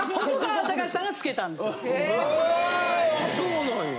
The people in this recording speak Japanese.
へぇそうなんや。